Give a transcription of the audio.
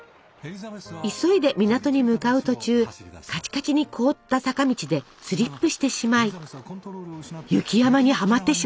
急いで港に向かう途中カチカチに凍った坂道でスリップしてしまい雪山にはまってしまいます。